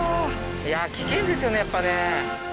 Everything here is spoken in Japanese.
いや危険ですよねやっぱね。